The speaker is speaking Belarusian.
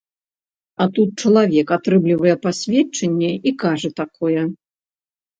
А тут чалавек атрымлівае пасведчанне і кажа такое!